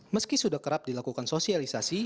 meski sudah kerap dilakukan sosialisasi